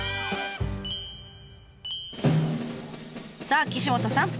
さあ岸本さん